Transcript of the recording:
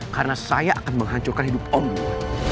karena saya akan menghancurkan hidup om dulu